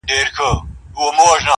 د دې نوي کفن کښ نوې نخره وه.!